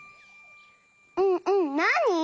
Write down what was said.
うんうんなに？